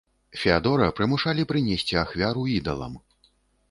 Феадора прымушалі прынесці ахвяру ідалам.